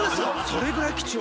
それぐらい貴重。